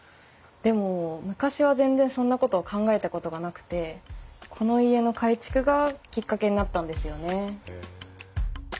でも昔は全然そんなことを考えたことがなくてこの家の改築がきっかけになったんですよね。